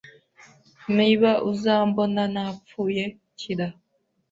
Niba uzambona napfuye.kira,